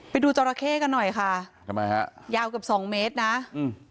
ไปดูจราเข้กันหน่อยค่ะทำไมฮะยาวเกือบสองเมตรน่ะอืม